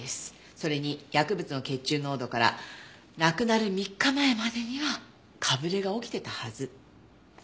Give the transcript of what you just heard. それに薬物の血中濃度から亡くなる３日前までにはかぶれが起きていたはず。